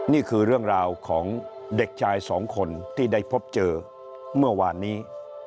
นี่คือเรื่องราวของเด็กชายสองคนที่ได้พบเจอเมื่อวานนี้